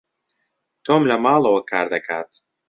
تۆم لە ماڵەوە کار دەکات.